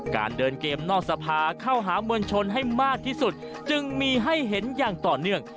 การเดินเกมนอกสภาเข้าหามวลชนให้มากที่สุดจึงมีให้เห็นอย่างต่อเนื่อง